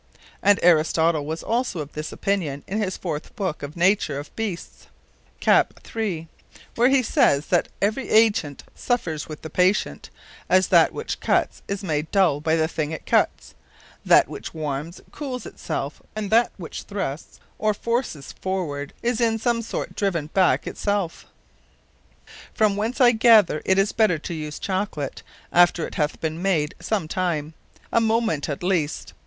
And Aristotle was also of this opinion in his fourth Booke of the Nature of Beasts, cap. 3. Where he sayes, that every Agent suffers with the patient; as that which cuts, is made dul by the thing it cuts; that which warmes, cooles it selfe; and that which thrusts, or forceth forward, is in some sort driven bake it selfe. From whence I gather, that it is better to use Chocolate, after it hath beene made some time, a Moneth at the least.